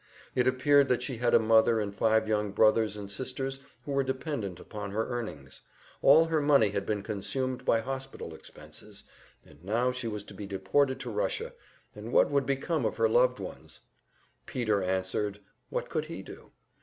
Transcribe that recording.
It appeared that she had a mother and five young brothers and sisters who were dependent upon her earnings; all her money had been consumed by hospital expenses, and now she was to be deported to Russia, and what would become of her loved ones? Peter answered, what could he do?